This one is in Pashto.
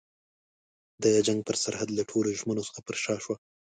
د جنګ پر سرحد یې له ټولو ژمنو څخه پر شا شوه.